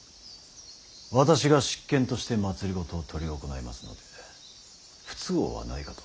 私が執権として政を執り行いますので不都合はないかと。